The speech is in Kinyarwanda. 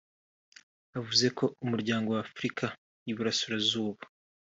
Avuze ko mu Muryango wa Afurika y’Iburasirazuba